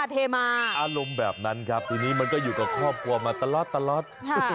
ถึงก็อยู่กับครอบครัวมาตลอด